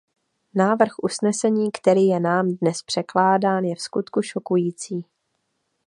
Návrh usnesení, který je nám dnes překládán, je vskutku šokující.